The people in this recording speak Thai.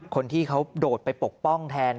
คนที่เขาโดดไปปกป้องแทน